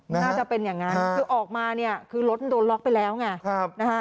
น่าจะเป็นอย่างนั้นคือออกมาเนี่ยคือรถโดนล็อกไปแล้วไงนะฮะ